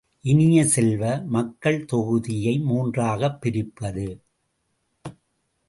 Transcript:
இனிய செல்வ, மக்கள் தொகுதியை மூன்றாகப் பிரிப்பது!